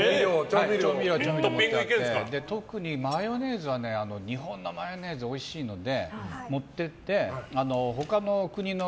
調味料置いてあって特にマヨネーズは日本のマヨネーズおいしいので持っていって他の国の。